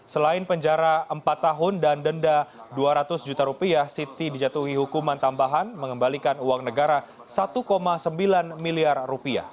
selain penjara empat tahun dan denda dua ratus juta rupiah siti dijatuhi hukuman tambahan mengembalikan uang negara rp satu sembilan miliar